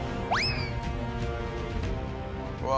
うわ。